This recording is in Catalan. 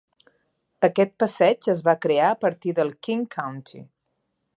Aquest passeig es va crear a partir del King County.